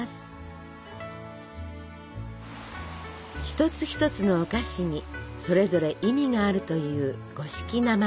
一つ一つのお菓子にそれぞれ意味があるという五色生菓子。